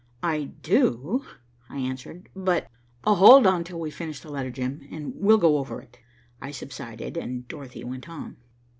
"I do," I answered. "But " "Hold on till we finish the letter, Jim, and we'll go over it." I subsided and Dorothy went on.